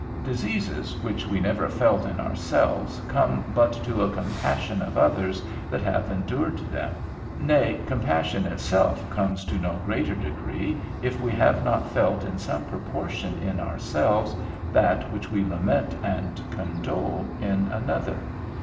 Diseases which we never felt in ourselves come but to a compassion of others that have endured them; nay, compassion itself comes to no great degree if we have not felt in some proportion in ourselves that which we lament and condole in another.